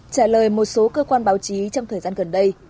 trả lời một số cơ quan báo chí trong thời gian gần đây